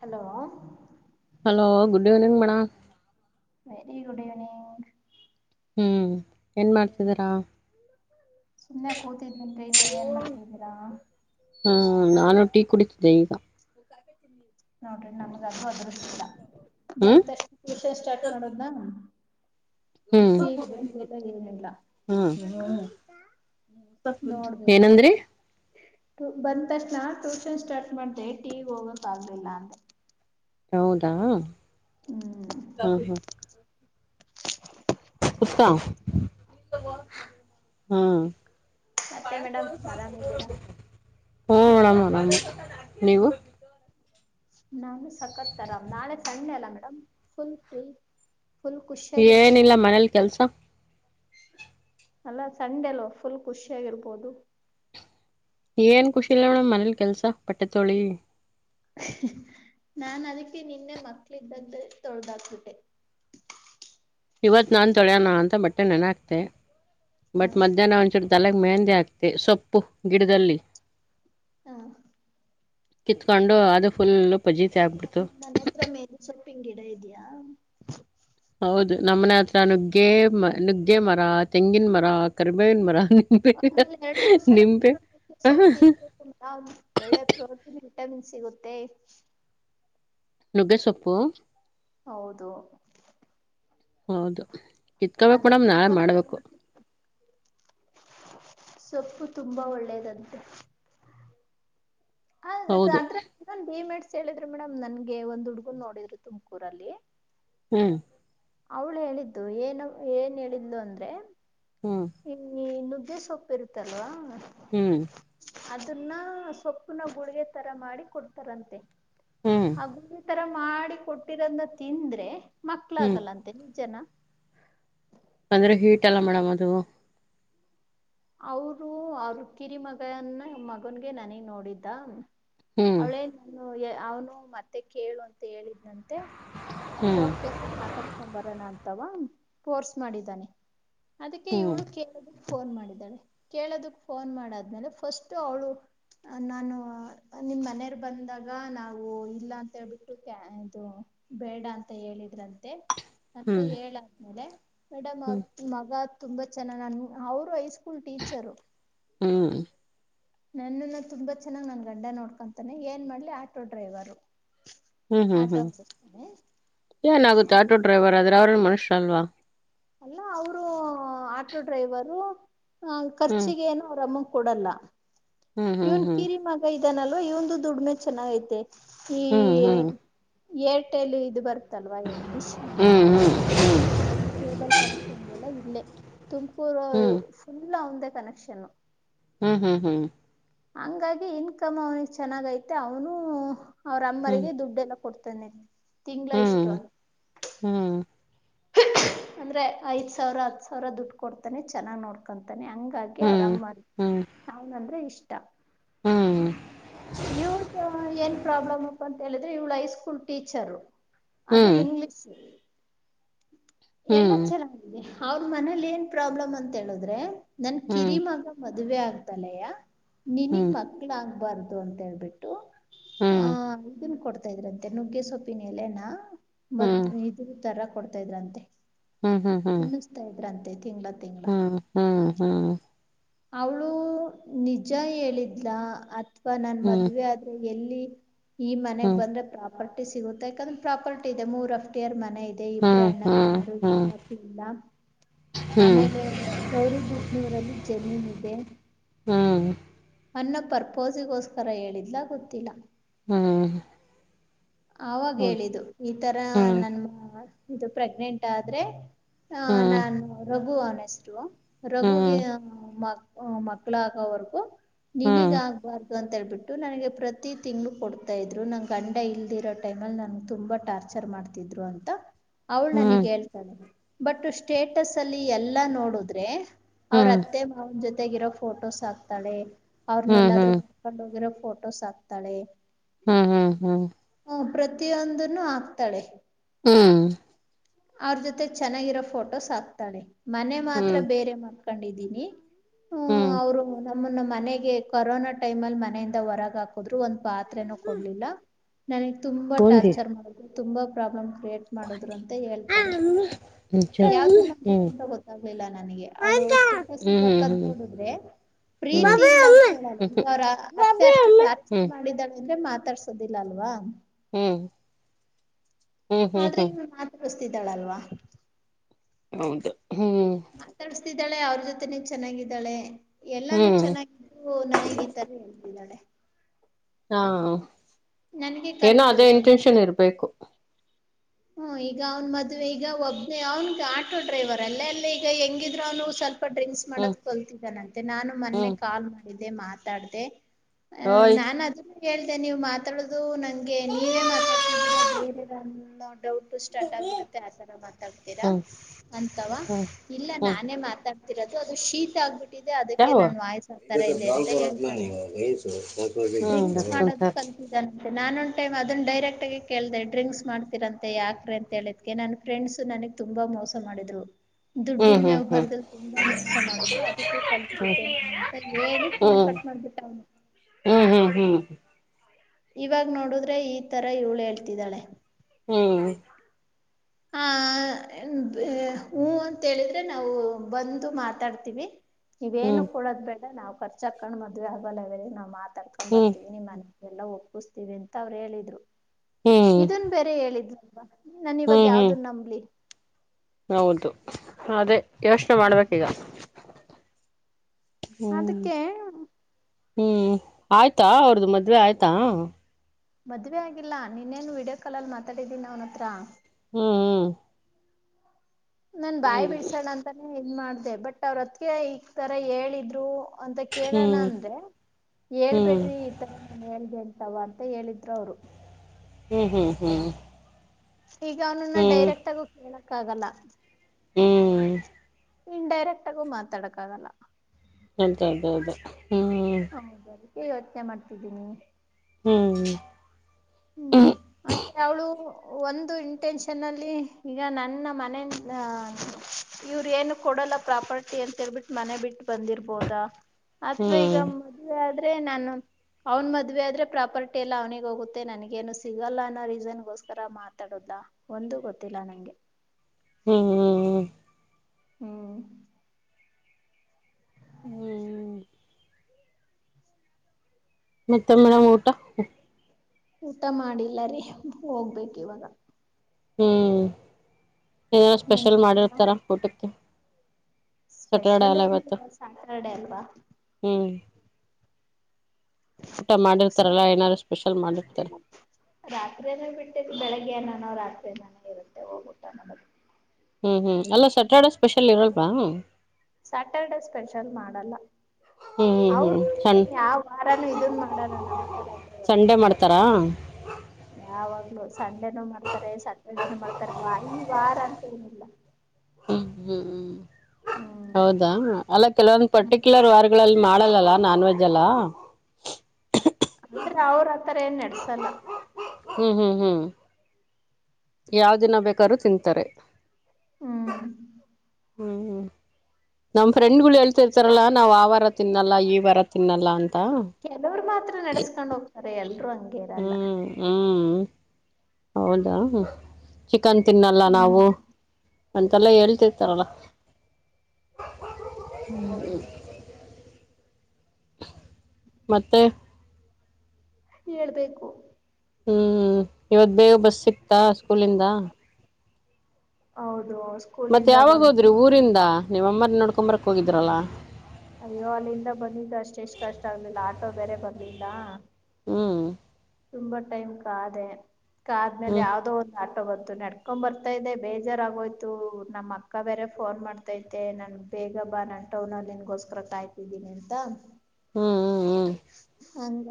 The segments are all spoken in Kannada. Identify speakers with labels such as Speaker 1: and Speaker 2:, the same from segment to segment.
Speaker 1: Hello
Speaker 2: hello good evening madam
Speaker 1: very good evening
Speaker 2: ಹ್ಮ್ ಏನ್ ಮಾಡ್ತಿದೀರಾ
Speaker 1: ಸುಮ್ನೆ ಕೂತಿದೇನ್ರರಿ ನೀವೇಏನ್ ಮಾಡ್ತಿದ್ದೀರಾ
Speaker 2: ಹ್ಮ್ ನಾನು ಟೀ ಕುಡಿತಿದ್ದೆ ಈಗ
Speaker 1: ನೋಡ್ರಿ ನಮಗ ಅದು ಅದೃಷ್ಟ ಇಲ್ಲ ಬ
Speaker 2: ಹ್ಮ್
Speaker 1: ಟ್ಯೂಷನ್ ಸ್ಟಾರ್ಟ್ ಮಾಡದನಾ
Speaker 2: ಹ್ಮ್ ಹ್ಮ್
Speaker 1: ನೋಡ್ಬೇಕು
Speaker 2: ಏನಂದ್ರಿ
Speaker 1: ಬಂದ ತಕ್ಷಣ ಟ್ಯೂಷನ್ ಸ್ಟಾರ್ಟ್ ಮಾಡ್ದೆ ಟಿವ ವಿ ಹೋಗ್ಕ್ ಆಗ್ಲಿಲ್ಲ ಅಂದ್ರೆ
Speaker 2: ಹೌದಾ ಹಾ ಹಾ ಉಸ್ಕಾ ಹ್ಮ್
Speaker 1: ಮತ್ತೆ ಮೇಡಮ್ ಆರಾಮಿದ್ದೀರಾ
Speaker 2: ಹಡ ನೋಡ ನೀವು
Speaker 1: ನಾನು ಸಖತ್ರಾಮ್ ನಾಳೆ ಸಣ್ಣೆ ಅಲ್ಲ ಮೇಡಮ್ ಫುಲ್ ಫ್ರೀ ಫುಲ್ ಖುಷಿಯಾಗಿರ್ಬೋದು
Speaker 2: ಏನಿಲ್ಲ ಮನೇಲಿ ಕೆಲ್ಸ
Speaker 1: ಅಲ್ಲ ಸಂಡೆಲ್ಲ ಫುಲ್ ಖುಷಿಯಾಗಿರ್ಬೋದು
Speaker 2: ಏನ್ ಖುಷಿ ಇಲ್ಲ ಮೇಡಮ್ ಮನೇಲಿ ಕೆಲ್ಸ ಬಟ್ಟೆ ತೋಳಿ
Speaker 1: ನಾನು ಅದಕ್ಕೆ ನಿನ್ನೆ ಮಕ್ಳಿದ್ದಂತೆ ತೊಳ್ದಾಕ್ಬಿಟ್ಟೆ
Speaker 2: [inaudible] ಇವತ್ ನಾನ್ ತೊಳ್ಯೋಣ ಅಂತ ಬಟ್ಟೆ ನೆನ ಆಕ್ತೆ
Speaker 1: ಹ
Speaker 2: ಬಟ್ ಮಧ್ಯಾಹ್ನ ಒಂದಚೂರ್ ತಲೆಗ್ ಮೆಹಂದಿ ಹಾಕ್ದೆ ಸೊಪ್ಪು ಗಿಡದಲ್ಲಿ
Speaker 1: ಹಾ
Speaker 2: ಕಿತ್ಕೊಂಡು ಅದು ಪುಲೂ
Speaker 1: ಹ ಮನೆ ಹತ್ರ ಮೆಹಾಂದಿ ಸೊಪ್ಪಿನ ಗಿಡ ಇದಿಯಾ
Speaker 2: ಹೌದು ನಮ್ಮನೆ ಹತ್ರ ನುಗ್ಗೆ ಮ ನುಗ್ಗೆ ಮರ ತೆಂಗಿನ ಮರ ಕರಿಬೇವಿನ ಮರ ನಿಂಬೆ
Speaker 1: ವಾರದಲ್ಲಿ ಎರಡ್ ಮೂರ್ ಸಲ
Speaker 2: ನಿಂಬೆ
Speaker 1: ನುಗ್ಗೇಸೊಪ್ಪು ತಿನ್ಬೇಕು ಅಲ್ವಾ ಒಳ್ಳೆ ಪ್ರೋಟಿನ್ ವಿಟಮಿನ್ ಸಿಗುತ್ತೆ.
Speaker 2: ಗೆ ಸೊಪ್ಪು
Speaker 1: ಹೌದು
Speaker 2: ಹೌದು ಕಿತ್ಕೋಬೇಕು ಮೇಡಮ್
Speaker 1: ಅದ್ರಲ್ಲಿ
Speaker 2: ನಾನ್
Speaker 1: ತುಂಬಾ
Speaker 2: ಮಾಡ್ಬೇಕು
Speaker 1: ಸೊಪ್ಪು ತುಂಬಾ ಒಳ್ಳೆದಂತೆ ಹ
Speaker 2: ಹೌದು.
Speaker 1: ಅದ್ರೆ ಡಿಮಿಟ್ಸ್ ಹ್ ಹೇಳಿದ್ರು ಮೇಡಮ್ ನನ್ಗೆ ಒಂದ್ ಹುಡುಗನ್ ನೋಡಿದ್ರು ತುಮಕೂರಲ್ಲಿ
Speaker 2: ಹ್ಮ್
Speaker 1: ಅವಳು ಹೇಳಿದ್ದು ಏನ್ ಏನ್ ಹೇಳಿದ್ದು ಅಂದ್ರೆ
Speaker 2: ಹ್ಮ್,
Speaker 1: ಇನ್ನು ನುಗ್ ಗೇ ಸೊಪ್ಪು ಇರುತ್ತಲ್ವಾ
Speaker 2: ಹ್ಮ್
Speaker 1: ಅದನ್ನ ಸೊಪ್ಪನ ಗುಳಿಗೆ ತರ ಮಾಡಿ ಕೊಡ್ತಾರಂತೆ
Speaker 2: ಹ್ಮ್,
Speaker 1: ಆ ಗುಳಿಗೆ ತರ ಮಾಡಿ ಕೊಟ್ಟಿರೊದ್ನ ತಿಂದ್ರೆ ಮಕ್
Speaker 2: ಹ್ಮ್.
Speaker 1: ಅಗಲ್ಲ ಅಂತೆ ನಿಜನಾ
Speaker 2: ಅಂದ್ರೆ ಹಿಟ್ ಅಲ್ಲ ಮೇಡಮ್ ಅದು
Speaker 1: ಅವರು ಅವ್ರರು ಕಿರಿಮಗನ್ನ ಮಗನ್ಗೆ ನನಗ್ ನೋಡಿದ್ದ
Speaker 2: ಹ್ಮ್,
Speaker 1: ಅವಳೇ ನಾನು ಅವನು ಮತ್ತೆ ಕೇಳು ಅಂತ ಹೇಳಿದ್ ನಂತ್ ತೆ
Speaker 2: ಹ್ಮ್,
Speaker 1: ಓಕೆ ಅಂದ್ರೆ ಮಾತಾಡ್ಕೊಂಡ ಬರೋಣ ಅಂತವ ಪೋರ್ಸ್ ಮಾಡಿದ್ದಾನೆ. ಅದಕ್ಕೆ
Speaker 2: ಹ್ಮ್,
Speaker 1: ಇವಳು ಕೇಳೋದಕ್ ಪೋನ್ ಮಾಡಿದ್ ದ್ದಾಳೆ ಕೇಳೋದಕ್ ಪೋನ್ ಮಾಡಾದ್ಮೇಲೆ ಫಸ್ಟ್ ಅವಳು ನಾನು ನಿಮ್ಮ ಮನೆಯರ್ ಬಂದಾಗ ನಾವು ಇಲ್ಲ ಅಂತೇಬಿಟ್ಟು ಕ್ಯಾ ಇದು ಬೇಡ ಅಂತ ಹೇಳಿದ್ರಂತೆ ಅಂತ
Speaker 2: ಹ್ಮ್,
Speaker 1: ಹೇಳಾದ್ಮೇಲೆ ಮೇಡಮ್
Speaker 2: ಹ್ಮ್,
Speaker 1: ಅವ್ರ
Speaker 2: ಹ್ಮ್,
Speaker 1: ಮಗ ತುಂಬಾ ಚೆನ್ನಾಗ್ ಅವರು ಹೈಸ್ ಸ್ಕೂಲ್ ಟೀಚರು
Speaker 2: ಹ್ಮ್,
Speaker 1: ನನ್ನುನ್ನ ತುಂಬಾ ಚೆನ್ನಾಗ್ ನನ್ ಗಂಡ ನೋಡ್ಕೊಂತಾನೆ ಏನ್ ಮಾಡ್ಲಿ ಆಟೋ ಡ್ರೈವರು
Speaker 2: ಹ್ಮ್ ಹ್ಮ್
Speaker 1: ಆಟೋ
Speaker 2: ಹ್ಮ್
Speaker 1: ಓಡಿಸ್ತಾನೆ
Speaker 2: ಏನಾಗುತ್ತೆ ಆಟೋ ಡ್ರೈವರ್ ಆದ್ರೆ ಅವ್ರನ್ ಮನುಷ್ಯರ್ ಅಲ್ವಾ
Speaker 1: ಅಲ್ಲಾ ಅವರು ಆಟೋ ಡ್ರೈವರು
Speaker 2: ಹ್ಮ್,
Speaker 1: ಖರ್ಚಿಗೆ ಏನೋ ಅವರ್ ಅಮ್ ಕೊಡಲ್ಲ
Speaker 2: ಹ್ಮ್, ಹ್ಮ್,
Speaker 1: ಇವನ್
Speaker 2: ಹ್ಮ್.
Speaker 1: ಕಿರಿ ಮಗ ಇದಾನಲ್ವ ಇವಂದು ದುಡುಮೆ ಚೆನ್ನಾಗೈತೆ ಈ
Speaker 2: ಹ್ಮ್, ಹ್ಮ್.
Speaker 1: ಏರ್ ಟೆಲ್ ಇದು ಬರ್ತ್ ತಲ್ವಾ ಡಿಶ್ ನ
Speaker 2: ಹ್ಮ್, ಹ್ಮ್,
Speaker 1: ಎಲ್ಲಾ
Speaker 2: ಹ್ಮ್,
Speaker 1: ಇ ಕೇಬಲ್ ಕನೆಕ್ಷನ್ ಎಲ್ಲಾ ಇಲ್ಲೇ ತುಮಕೂರು
Speaker 2: ಹ್ಮ್,
Speaker 1: ಪುಲ್ ಅವಂದೇ ಕನೆಕ್ಷನ್
Speaker 2: ಹ್ಮ್ ಹ್ಮ್ ಹ್ಮ್
Speaker 1: ಹಂಗಾಗಿ ಇನ್ಕಮ್ ಅವ್ನಿಗೆ ಚೆನ್ನಾಗೈತೆ ಅವನು ಅವರ್
Speaker 2: ಹ್ಮ್,
Speaker 1: ಅಮ್ಮರಿಗೆ ದುಡ್ಡೆಲ್ಲ ಕೊಡ್ತನೆ
Speaker 2: ಹ್ಮ್ ಹ್ಮ್
Speaker 1: ಅಂದ್ರೆ ಐದ್ ಸಾವಿರ ಹತ್ ಸಾವಿರ ದುಡ್ಡು ಕೊಡ್ತಾನೆ ಚೆನ್ನಾಗ್ ನೋಡ್ಕೊ ತ್ತಾನೆ ಹಂಗಾಗಿ ಅವರ್
Speaker 2: ಹ್ಮ್
Speaker 1: ಅಮ್ಮವರಿಗ್
Speaker 2: ಹ್ಮ್
Speaker 1: ಅವನಂದ್ರೆ ಇಷ್ಟ
Speaker 2: ಹ್ಮ್
Speaker 1: ಇವಳ್ದು ಏನ್ ಪ್ರಾಬ್ಲಮ್ ಅಪ್ಪ ಅಂತ ಹೇಳಿದ್ರೆ ಇವಳು ಹೈಸ್ಕೂಲ್ ಟೀಚರ್ ಅದು
Speaker 2: ಹ್ಮ್
Speaker 1: ಇಂಗ್ಲೀಷ್ ಎಲ್ಲಾ
Speaker 2: ಹ್ಮ್
Speaker 1: ಚನ್ನಾಗಿದೆ ಅವರ ಮನೇಲಿ ಏನ್ ಪ್ರಾಬ್ಲಮ್ ಅಂತ ಹೇಳುದ್ರೆ ನನ್ ಕಿರಿ
Speaker 2: ಹ್ಮ್
Speaker 1: ಮಗ ಮದುವೆ ಆಗ್ದಲಯ
Speaker 2: ಹ್ಮ್
Speaker 1: ನಿನಿಗೆ
Speaker 2: ಹ್ಮ್
Speaker 1: ಮಕ್ಳ್ ಆಗ್ ಬಾರದುು ಅಂತ ಹೇಳ್ಬಿಟ್ಟು ಆ
Speaker 2: ಹ್ಮ್
Speaker 1: ಇದನ್ ಕೊಡ್ ಕೊತಾ ಇದ್ರಂತೆ ನುಗ್ಗೆ ಸೊಪ್ಪಿನ ಎಲೆನ ಮದ
Speaker 2: ಹ್ಮ್
Speaker 1: ಇದ್ರ ತರ ಕೊಡ್ತಾ ಇದ್ರಂತೆ
Speaker 2: ಹ್ಮ್ ಹ್ಮ್ ಹ್ಮ್ ಹ್ಮ್
Speaker 1: ತಿನ್ನಿಸ್ತಾ ಇದ್ರ ಅಂತೆ
Speaker 2: ಹ್ಮ್ ಹ್ಮ್ ಹ್ಮ್
Speaker 1: ಅವಳು ನಿಜ ಹೇಳಿದ್ಲ ಅಥವಾ ನನ್ ಮದ್ವೆ ಆದ್ರೆ ಎಲ್ಲಿ ಈ ಮನೆಗ್ ಬಂದ್ರೆ ಪ್ರಾಪರ್ಟಿ ಸಿಗುತ್ತಾ ಯಾಕಂದ್ರೆ ಪ್ರಾಪರ್ಟಿ ಇದೆ ಮೂರ್ ಅಫ್ಟಿಯರ್ ಮನೆ ಇದೆ ಇಬ್ರೆ ಅಣ್ಣ
Speaker 2: ಹ್ಮ್
Speaker 1: ತಮ್ಮರು
Speaker 2: ಹ್ಮ್
Speaker 1: ಹೆಣ ಮಕ್ಳಲ್ಲ
Speaker 2: ಹ್ಮ್
Speaker 1: ಆಮೇಲೆ ಗೌರಿಬಿದನೂರಲ್ಲಿ ಜಮೀನ್ ಇದೆ
Speaker 2: ಹ್ಮ್
Speaker 1: ಅನ್ನ ಪರ್ಪೋಸಿಗೋಸ್ಕರ ಹೇಳಿದ್ಲ ಗೊತ್ತಿಲ್ಲ
Speaker 2: ಹ್ಮ್
Speaker 1: ಅವಾಗ ಹೇಳಿದು ಈ ತರ
Speaker 2: ಹ್ಮ್
Speaker 1: ನನ್ ಇದು ಪ್ರೆಗ್ನೆಂಟ್ ಆದ್ರೆ ಹ
Speaker 2: ಹ್ಮ್
Speaker 1: ನಾನು ರಘು ಅನ್ನಸರು ರಘುಗೆ ಮ ಮಕ್ಳ ಆಗೋವರ್ಗು ನಿನೀಗ
Speaker 2: ಹ್ಮ್
Speaker 1: ಆಗ್ಬಾರ್ದು ಅಂತ ಹೇಳ್ಬಿಟ್ಟು ನನಗೆ ಪ್ರತಿ ತಿಂಗಳು ಕೊಡ್ತಾ ಇದ್ರು ನಂ ಗಂಡ ಇಲ್ದಿ ಟೈಮ ಅಲ್ಲಿ ನನ್ ತುಂಬಾ ಟಾರ್ಚರ್ ಮಾಡ್ತಿದ್ರು ಅಂತ ಅವ್ಳ
Speaker 2: ಹ್ಮ್ ಹ್ಮ್
Speaker 1: ನನಗ್ ಹೇಳ್ತ ಬಟ್ ಸ್ಟೇಟಸ್ ಅಲ್ಲಿ ಎಲ್ಲಾ ನೋಡುದ್ರೆ ಅವ್ರ
Speaker 2: ಹ್ಮ್
Speaker 1: ಅತ್ತೆ ಮಾವನ ಜೊತೆ ತೆಗಿರೋ ಫೋಟೋಸ್ ಆಕ್ತಾಳೆ ಅವ್ರನ್ನ
Speaker 2: ಹ್ಮ್
Speaker 1: ಎಲ್ಲಾದ್ರೂ
Speaker 2: ಹ್ಮ್ ಹ್ಮ್
Speaker 1: ಕರ್ಕೊಂಡೋಗಿರೋ ಫೋಟೋಸ್ ಹಾಕ್ತಾಳೆ
Speaker 2: ಹ್ಮ್ ಹ್ಮ್ ಹ್ಮ್
Speaker 1: ಹ ಪ್ರತಿಯೊಂದನ್ನು ಆಗ್ತಾಳೆ
Speaker 2: ಹ್ಮ್
Speaker 1: ಅವ್ರ ಜೊತೆ ಚೆನ್ನಾಗಿರೋ ಫೋಟೋಸ್ ಹಾಕ್ತಾಳೆ ಮನೆ ಮಾತ್ರ
Speaker 2: ಹ್ಮ್
Speaker 1: ಬೇರೆ ಮ [unintelligible] ಕೀನಿ ಅವರು ಮುನ್ನ ಮನೆಗೆ ಕೊರೋನಾ ಟೈಮ್ ಅಲ್ಲಿ ಮನೆಯಿಂದ ಹೊರಗ ಹಾಕುದ್ರು ಒಂದ್ ಪಾತ್ರೇನೂ ಕೊಡ್ಲಿಲ್ಲ ನನಗ್ ತುಂಬಾ
Speaker 2: ಕೊಂದಿ
Speaker 1: ಟಾರ್ಚರ್ ಮಾಡುದು್ರು ತುಂಬಾ ಪ್ರಾಬ್ಲಮ್ ಕ್ರಿಯೇಟ್ ಮಾಡದ್ರು ಅಂತ ಹೇಳ್ತಾರೆ
Speaker 2: ಹ್ಮ್ ಹ್ಮ್
Speaker 1: ಯಾವ್ದ ನನ್ ಬುಂತ ಗೊತ್ತಾಗ್ಲಿಲ್ಲ ನನಗೆ ಅವಳು ಸ್ಟೇಟಸ್
Speaker 2: ಹ್ಮ್ ಹ್ಮ್
Speaker 1: ಬಕ್ಕದ್
Speaker 2: ಹ್ಮ್ ಹ್ಮ್ ಹ್ಮ್
Speaker 1: ನೋಡಿದ್ರೆ ಪ್ರೀತಿ
Speaker 2: ಹ್ಮ್
Speaker 1: ಇಲ್ಲ ಅಂತ ಹೇಳಣಗ ಅವ್ರ ಹತ್ತೆ ಅಷ್ಟು ಚಾರ್ಚರ್ ಮಾಡಿದಳ ಅಂದ್ರೆ ಮಾತಾಡ್ಸೋದಿಲ್ಲ ಅಲ್ವಾ
Speaker 2: ಹ್ಮ್ ಹ್ಮ್ ಹ್ಮ್ ಹ್ಮ್
Speaker 1: ಸ್ತಿದ್ದಾಳ ಅಲ್ವಾ
Speaker 2: ಹೌದು ಹ್ಮ್
Speaker 1: ಮಾತಾಡ್ಸ್ತಿದ್ದಾಳೆ ಅವ್ರ ಜೊತೆ ನೀ ಚೆನ್ನಾಗಿದ್ದಾಳೆ ಎಲ್ಲಾನು
Speaker 2: ಹ್ಮ್
Speaker 1: ಚೆನ್ನಾಗಿದ್ದು ನನಗ್ ಈ ತರ ಹೇಳ್ತಿದ್ದಾಳೆ
Speaker 2: ಹಾ
Speaker 1: ನನಗೆ
Speaker 2: ಏನೋ ಅದೇ
Speaker 1: ಕನ್ಫ್ಯೂಸು
Speaker 2: ಇಂಟೆನ್ಷನ್ ಇರ್ಬೇಕು
Speaker 1: ಹ ಈಗ ಅವ್ನ್ ಮದ್ೆ ಈಗ ಒಬ್ಬನ ಅವ್ನಿಗೆ ಆಟೋ ಡ್ರೈವರ್ ಅಲ್ಲೇ ಅಲ್ಲ ಈಗ ಹೆಂಗಿದ್ರರು ಅವನು ಸ್ವಲ್ಪ ಡ್ರಿಂಕ್ಸ್
Speaker 2: ಹ್ಮ್
Speaker 1: ಮಾಡದ ಕೊಲ್ತಿದ್ದಾನಂತೆ ನಾನು ಮೊನ್ನೆ
Speaker 2: ಹ್ಮ್
Speaker 1: ಕಾಲ್ ಮಾಡಿದ್ದೆ ಮಾತಾಡ್ದ ಹ
Speaker 2: ಓಯ್
Speaker 1: ನಾನ್ ಅದನ್ನ ಹೇಳ್್ದೇನೆ ನೀವವು ಮಾತ್ ಮಾತಾಡದು ನಂಗೆ ನೀವೇ ಮಾತಾಡ್ತಿದ್ದೀರಾ ಬೇರೆೋ ಡೌಟ್ ಸ್ಟಾರ್ಟ್ ಆಗ್ಬಿಡುತ್ತೆ ಆತರ ಮಾತಾಡ್ತೀರಾ
Speaker 2: ಹ್ಮ್
Speaker 1: ಅಂತವಾ
Speaker 2: ಹ್ಮ್
Speaker 1: ಇಲ್ಲ
Speaker 2: ಹ್ಮ್
Speaker 1: ನಾನೇ ಮಾತಾ ಆತಿರದು ಅದು ಶೀತ ಆಗ್ಬಿಟ್ಟಿದೆ ಅದಕ್ಕೆ
Speaker 2: ಯಾವ
Speaker 1: ನನ್ ವಾಯಸ್ಸ ಆ ತರ ಇದೆ ಅಂತ ಹೇಳ್ತಾನೆ
Speaker 2: ಹ್ಮ್
Speaker 1: ಡ್ರಿಂಕ್ಸ್ ಮಾಡದುರು
Speaker 2: ಬಸ್ಕೊಂತಾರೆ
Speaker 1: ಕಲ್ತಿದ್ದಾನಂತೆ ನಾನ ಮ್ ಅದನ್ನ ಡೈರೆಕ್ಟ್ಗಿ ಕೇಳ್ದೆ ಡ್ರಿಂಕ್ ಮಾಡ್ತತಿರಂತೆ ಯಾಕ್ರೆ ಅಂತ ಹೇಳಿದಕ್ಕೆ ನನ್ ಫ್ರೆಂಡ್ಸ್ ನನಗ್ ತುಂಬ ಮೋಸ ಮಾಡ್ಿದರು
Speaker 2: ಹ್ಮ್
Speaker 1: ದುಡ್ಡಿನ
Speaker 2: ಹ್ಮ್
Speaker 1: ವ್ಯವಹಾರದಲ್ಲಿ ತುಂಬಾ ಮೋಸ ಮಾಡುದ್ರು ಅದು ಕೂಡ ಕಲ್ೆ ನಾನ ಅಂತ ಹೇಳಿ ಫೋನ್
Speaker 2: ಹ್ಮ್
Speaker 1: ಕಟ್ ಮಾಡ [unintelligible] ಹ ತ
Speaker 2: ಹ್ಮ್ ಹ್ಮ್ ಹ್ಮ್
Speaker 1: ಇವಾಗ ನೋಡುದ್ರೆ ಈ ತರ ಇವಳು ಹೇಳ್ತಿದ್ದಾಳೆ
Speaker 2: ಹ್ಮ್
Speaker 1: ಹಾ ಹ್ಞೂಂ ಅಂತ ಹೇಳಿದ್ರೆ ನಾವು ಬಂದು ಮಾತಾಡ್ತೀವಿ. ನೀವೇನು ಕೊಡೋದ್ ಬೇಡ ನಾವು ಖರ್ಚು ಹಾಕೊಂಡ್ ಮದ್ವೆ ಆಗಲ್ಲಾಗೀವ್ರೀ ನಾವ್ ಮಾತಾಡ್ಕೊಂಡ್ ಬರ್ತೀವಿ ನಿಮ್ಮ್ ಮನ್ ಲ್ಲ ಒಪ್ಪಿಸ್ತೀವಿ ಅಂತ ಅವ್ರು ಹೇಳಿದ್ರು
Speaker 2: ಹ್ಮ್ ಹ್ಮ್
Speaker 1: ಇದನ್ ಬೇರೆ ಹೇಳಿದ್ರು ನಾನ್ ಇವಾಗ್
Speaker 2: ಹ್ಮ್ ಹ್ಮ್
Speaker 1: ಯಾವ್ದುನ್ ನಂಬ್ಲಿ
Speaker 2: ಹೌದು ಅದೇ ಯೋಚನೆ
Speaker 1: ಹ್ಮ್
Speaker 2: ಮಾಡ್ಬೇಕೀಗ. ಹ್ಮ್
Speaker 1: ಅದಕ್ಕೆ
Speaker 2: ಹ್ಮ್ ಆಯ್ತಾ ಅವ್ರ್ದ ಮದ್ವೆ ಆಯ್ತಾ.
Speaker 1: ಮದ್ವೆ ಆಗಿಲ್ಲ ನಿನ್ನೇನು ವಿಡಿಯೋ ಕಾಲಲ್ಲಿ ಮಾತಾಡಿದೀನಿ ಅವನ ಹತ್ರ.
Speaker 2: ಹ್ಮ್ ಹ್ಮ್
Speaker 1: ನನ್ ಬಾಯಿ ಬಿಡ್ಸೋಣ ಅಂತಾನೇ ಇದನ್ ಮಾಡ್ದ ಬಟ್ ಅವ್ರತ್ಗೆ ಈ ತರ ಹೇಳಿದ್ರು ಅಂತ ಕೇಳೋಣ
Speaker 2: ಹ್ಮ್ ಹ್ಮ್
Speaker 1: ಅಂದ್ರೆ
Speaker 2: ಹ್ಮ್
Speaker 1: ಹೇಳ್ಬೇಡ್ರಿ ಈತರ ನಾನ್ ಹೇಳ್ದೆ ಅಂತಾವಾ ಅಂತ ಹೇಳಿದ್ರು ಅವ್ರು.
Speaker 2: ಹ್ಮ್ ಹ್ಮ್ ಹ್ಮ್
Speaker 1: ಈಗ ಅವನನ್ನ
Speaker 2: ಹ್ಮ್
Speaker 1: ಡೈರೆಕ್ಟ್ ಆಗು ಕೇಳಕ್ ಆಗಲ್ಲ.
Speaker 2: ಹ್ಮ್
Speaker 1: ಇನ್ಡೈರೆಕ್ಟ್ ಆಗೂ ಮಾತಾಡಕ್ಕಾಗಲ್ಲ
Speaker 2: [unintelligible]
Speaker 1: ಈ ಯೋಚನೆ ಮಾಡ್ತಿದ್ದೀನಿ.
Speaker 2: ಹ್ಮ್
Speaker 1: ಹ್ಮ್ ಅಂದ್ರೆ ಅವಳು ಒಂದು ಇಂಟೆನ್ಷನ್ಲ್ಲಿ ಈಗ ನನ್ನ ಮನೆ ಇವರು ಏನು ಕೊಡ ಲ್ಲ ಪ್ರಾಪರ್ಟಿ ಅಂತ ಹೇಳ್ಬಿಟ್ಟು ಮನೆ ಬಿಟ್ಟು ಬಂದಿರ್ಬೋದಾ. ಅಥವಾ ಈಗ
Speaker 2: ಹ್ಮ್
Speaker 1: ಮದ್ವೆ ಆದ್ರೆ ನಾನು ಅವ್ನ್ ಮದ್ವೆ ಆದ್ರೆ ಪ್ರಾಪರ್ಟಿ ಎಲ್ಲ ಅವನಿಗೆ ಹೋಗು ತ್ತೆ ನನಗೇನು ಸಿಗಲ್ಲ ಅನ್ನೋ ರೀಸನ್ಗೋಸ್ಕರ ಮಾತಾಡುದ್ಲಿ ಒಂದು ಗೊತ್ತಿಲ್ಲ ನಂಗೆ.
Speaker 2: ಹ್ಮ್ ಹ್ಮ್ ಹ್ಮ್
Speaker 1: ಹ್ಮ್
Speaker 2: ಹ್ಮ್ ಮತ್ತೆ ಮೇಡಮ್ ಊಟ
Speaker 1: ಊಟ ಮಾಡಿಲ್ಲ ರೀ ಹೋಗ್ಬೇಕು ಇವಾಗ.
Speaker 2: ಹ್ಮ್ ಏನೋ ಸ್ಪೆಷಲ್ ಮಾಡಿರ್ತಾರ ಊಟಕ್ಕೆ. ಸ್ಯಾಟರ್ಡೆ
Speaker 1: ಸ್ಪೆಷಲ್
Speaker 2: ಅಲ್ಲ ಇವತ್ತು
Speaker 1: ಏನಿಲ್ಲ ಸ್ಯಾಟರ್ಡೇ ಅಲ್ವಾ.
Speaker 2: ಹ್ಮ್ ಊಟ ಮಾಡಿರ್ತಾರಲ್ಲಾ ಏನಾದ್ರು ಸ್ಪೆಷಲ್ ಮಾಡಿರ್ತಾರೆ.
Speaker 1: ರಾತ್ರಿ ಅನ್ನ ಬಿಟ್ಟೇ ಬೆಳಿಗ್ಗೆ ಅನ್ನಾ ನೋ ರಾತ್ರಿ ಅನ್ನ
Speaker 2: ಹ್ಮ್ ಹ್ಮ್ ಅಲ್ಲ ಸ್ಯಾಟರ್ಡೇ ಸ್ಪೆಷಲ್ ಇರಲ್ವಾ
Speaker 1: ಸ್ಯಾಟರ್ಡೆೇ ಸ್ಪೆಷಲ್ ಮಾಡಲ್ಲ.
Speaker 2: ಹ್ಮ್
Speaker 1: ಅವ್ರ
Speaker 2: ಹ್ಮ್
Speaker 1: ಮನೆಗೆೇ
Speaker 2: ಸಣ್
Speaker 1: ಯಾವ ವಾರನೂ ಇದನ್ ಮಾಡಲ್ಲ ನಮ್ ತರ ಎಲ್ಲ ಯೋಚನೆ
Speaker 2: ಸಂಡೇ
Speaker 1: ಮಾಡಲ್ಲ.
Speaker 2: ಮಾಡ್ತಾರಾ
Speaker 1: ಯಾವಾಗ್ಲೂ ಸಂಡೇನು ಮಾಡ್ತಾರೆ ಸ್ಯಾಟರ್ಡೇನುೂ ಮಾಡ್ತಾರೆ ಈ ವಾರ ಏನಿಲ್ಲ
Speaker 2: ಹ್ಮ್ ಹ್ಮ್
Speaker 1: ಹ್ಮ್
Speaker 2: ಹೌದಾ ಅಲ್ಲ ಕೆಲವೊಂದು ಪರ್ಟಿಕ್ಯುಲರ್ ವಾರಗಳಲ್ಲಿ ಮಾಡಲ್ಲಲ್ಲ ನಾನ್ ವೆಜ್ ಎಲ್ಲ [inaudible]
Speaker 1: ಅಂದ್ರೆ ಅವ್ರ ಆತರ ಏನ್ ನೆಡ್ಸಲ್ಲ.
Speaker 2: ಹ್ಮ್ ಹ್ಮ್ ಹ್ಮ್ ಯಾವ ದಿನ ಬೇಕಾದ್ರು ತಿಂತಾರೆ.
Speaker 1: ಹ್ಮ್
Speaker 2: ಹ್ಮ್ ಹ್ಮ್ ನಮ್ ಫ್ರೆಂಡ್ ಗಳು ಹೇಳ್ತಿರ್ತಾರಲ್ಲಾ ನಾವ್ ಆವಾರ ತಿನ್ನಲ್ಲ ಈ ವಾರ ತಿನ್ನಲ್ಲ ಅಂತ
Speaker 1: ಕೆಲವ್ರು ಮಾತ್ರ ನಡೆಸ್ಕೊಂಡ್ ಹೋಗ್ತಾರೆ ಎಲ್ರು ಹಂಗೆ ಇರಲ್ಲ.
Speaker 2: ಹ್ಮ್ ಹ್ಮ್ ಹೌದಾ ಚಿಕನ್ ತಿನ್ನಲ್ಲ
Speaker 1: ಹ್ಮ್
Speaker 2: ನಾವು ಅಂತೆಲ್ಲ ಹೇಳ್ ತ್ತಾರಲ್ಲ
Speaker 1: ಹೌದು ಹೌದು
Speaker 2: [inaudible] ಮತ್ತೆ
Speaker 1: ಹೇಳ್ಬೇಕು
Speaker 2: ಹ್ಮ್ ಇವತ್ ಬೇ ಬೇಗ ಬಸ್ ಸಿಕ್ತಾ ಸ್ಕೂಲಿಂದ
Speaker 1: ಹೌದು
Speaker 2: ಮತ್ತೆ
Speaker 1: ಸ್ಕೂಲಿಂದ
Speaker 2: ಯಾವಾಗ ಹೋದ್ರಿ
Speaker 1: ಬಂದು
Speaker 2: ಊರಿಂದ ನೀವ್ ಅಮ್ಮರ ನೋಡ್ಕೊಂಬರಕ್ ಹೋಗಿದ್ರಲ್ಲ
Speaker 1: ಅಯ್ಯೋ ಅಲ್ಲಿಂದ ಬಂದಿದ್ದು ಅಷ್ಟ ಎಷ್ಟು ಕಷ್ಟ ಆಗ್ಲಿಲ್ಲ ಆಟೋ ಬೇರೆ ಬರ್ಲಿಲ್ಲ
Speaker 2: ಹ್ಮ್
Speaker 1: ತುಂಬಾ ಟೈಮ್ ಕಾದೆ ಕ ಆದ್ಮೇಲೆ
Speaker 2: ಹ್ಮ್
Speaker 1: ಯಾವ್ದೋ ಒಂದು್ ಆಟೋ ಬಂತು ನಡ ಕಕೊಂಡ್ ಬರ್ತಾ ಇದೆ ಬೇಜಾರಾಗೋಯ್ತು ನಮ್ಮ್ ಅಕ್ಕ ಬೇರೆ ಫೋನ್ ಮಾಡ್ತೈತೆ ನನ್ ಬೇಗ ಬ ಟೌನಲ್ಲಿ ನಿನ್ಗೋಸ್ಕರ ಕಾಯ್ತಿದ್ದೀನಿ ಅಂತ
Speaker 2: ಹ್ಮ್ ಹ್ಮ್ ಹ್ಮ್
Speaker 1: ಹಂಗ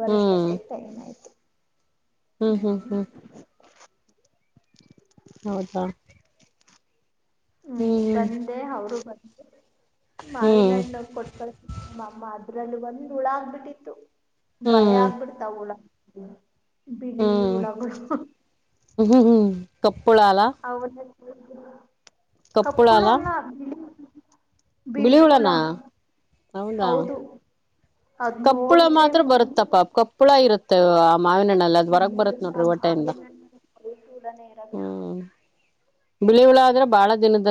Speaker 1: ಬರಷ್ಟ
Speaker 2: ಹ್ಮ್ ಹ್ಮ್ ಹ್ಮ್ ಹೌದಾ
Speaker 1: ಹ್ಮ್ ಬಂದೆ ಅವರು ಬಂದ
Speaker 2: ಹ್ಮ್
Speaker 1: ಮಾವಿನಣ್ಣ ಕೊಟ್ಕಳತ ಅ ಅಮ್ಮ ಅದ್ರಲ್ಲಿ ಒಂದ್ ಹುಳ ಆಗ್ಬಿಟ್ಟಿತ್ತು ಭಯ
Speaker 2: ಹ್ಮ್
Speaker 1: ಆಗ್ಬಿಡ್ತಾವ ಹಳ ಬಿಳಿ ಹುಳ
Speaker 2: ಹ್ಮ ಹ್ಮ್ ಹ್ಮ್ಪ್ಪ
Speaker 1: ಕಪ್ಪುಳ
Speaker 2: ಕಪ್ಪುಳಾಲ
Speaker 1: ಎಲ್ಲ ಬಿಳ
Speaker 2: ಬಿಳಿ ಉಳನಾ ಹೌದಾ
Speaker 1: ಹೌದು ಅದ್
Speaker 2: ಕಪ್ಪಳ
Speaker 1: ನೋಡಿದ್ರೆ
Speaker 2: ಮಾತ್ರ
Speaker 1: ಮೈ
Speaker 2: ಬರುತ್ತಪ್ಪ ಕಪ್ಪಳ ಇರುತ್ತೆ ಮಾವಿನಣ್ಣಲ್ಲಿ ಅದ್ ಹೊರಗ್ ಬರುತ್ ನೋಡ್ರಿ
Speaker 1: ಟ್ಟ
Speaker 2: ಹೊಟ್ಟೆಯಿಂದ
Speaker 1: ಉಡ ನೇರರು [unintelligible]
Speaker 2: ಹ್ಮ್ ಬಿಳಿ ಹುಳ ಆದ್ರೆ ಬಾಳ ದಿನದ